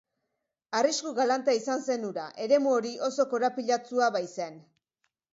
Arrisku galanta izan zen hura, eremu hori oso korapilatsua baitzen.